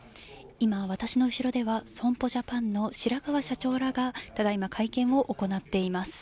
今、私の後ろでは損保ジャパンの白川社長らが、ただいま、会見を行っています。